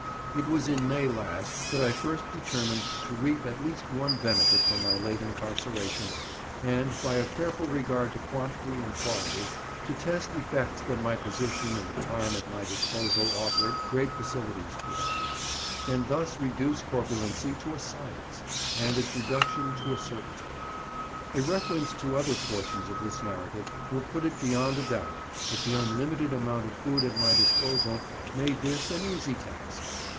It was in May last that I first determined to reap at least one benefit from my late incarceration, and, by a careful regard to quantity and quality, to test effects that my position and the time at my disposal offered great facilities for, and thus reduce corpulency to a science, and its reduction to a certainty. A reference to other portions of this narrative will put it beyond a doubt that the unlimited amount of food at my disposal made this an easy task.